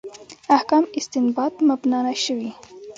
احکام استنباط مبنا نه شوي.